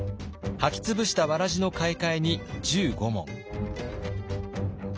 履き潰したわらじの買い替えに１５文。